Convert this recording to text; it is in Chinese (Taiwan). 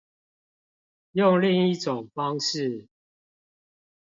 用另一種方式